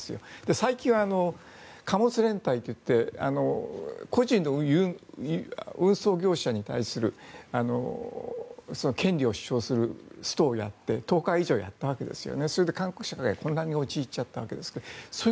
最近は貨物連帯といって個人の運送業者に対する権利を主張するストをやって１０日以上やったわけですそれで韓国社会は混乱に陥ってしまった。